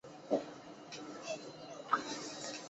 川滇鼠李为鼠李科鼠李属下的一个种。